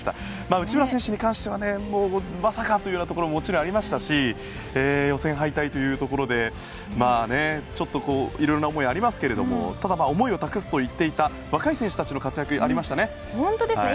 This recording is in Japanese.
内村選手に関してはまさかというところももちろんありましたし予選敗退というところでちょっといろいろな思いはありますけれどもただ、思いを託すと言っていた若い選手たちの活躍がありましたね。